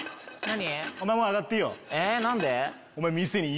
何で？